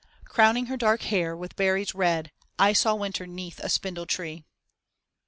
Crowning her dark hair with berries red I saw Winter 'neath a spindle tree.